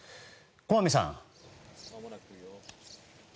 駒見さん。